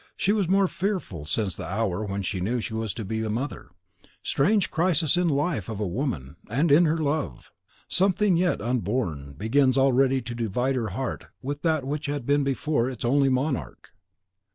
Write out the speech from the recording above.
She was more fearful since the hour when she knew that she was to be a mother. Strange crisis in the life of woman, and in her love! Something yet unborn begins already to divide her heart with that which had been before its only monarch.